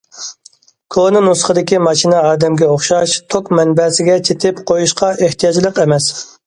كونا نۇسخىدىكى ماشىنا ئادەمگە ئوخشاش توك مەنبەسىگە چېتىپ قويۇشقا ئېھتىياجلىق ئەمەس.